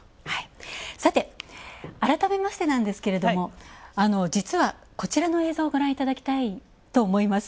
さて、改めましてなんですけれど実は、こちらの映像をご覧いただきたいと思います。